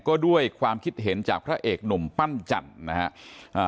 ก็ด้วยความคิดเห็นจากพระเอกหนุ่มปั้นจันทร์นะฮะอ่า